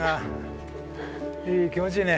いい気持ちいいね。